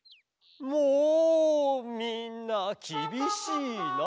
もうみんなきびしいな！